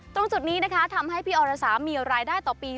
ตรงจุดนี้นะคะทำให้พี่อรสามีรายได้ต่อปี